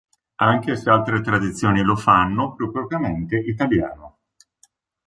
Anche se altre tradizioni lo fanno più propriamente italiano.